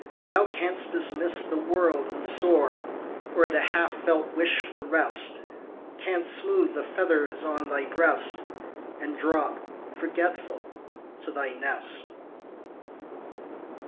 Thou canst dismiss the world and soar, Or, at a half felt wish for rest. Canst smooth the feathers on thy breast, And drop, forgetful, to thy nest.